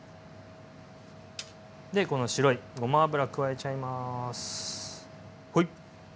でこの白いごま油加えちゃいますはい。